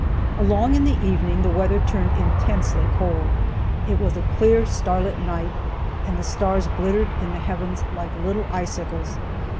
Along in the evening the weather turned intensely cold. It was a clear, star lit night, and the stars glittered in the heavens like little icicles.